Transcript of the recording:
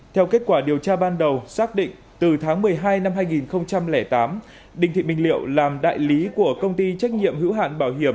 theo kết quả điều tra ban đầu xác định từ tháng một mươi hai năm hai nghìn tám đinh thị minh liệu làm đại lý của công ty trách nhiệm hữu hạn bảo hiệp